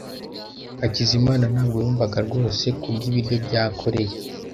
Hakizimana ntabwo yumvaga rwose kurya ibiryo bya koreya.